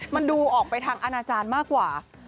มันดูออกไปทางอาณาจารย์มากกว่า